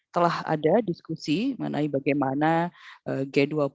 telah ada diskusi mengenai bagaimana g dua puluh dapat berkolaborasi dengan negara negara yang lain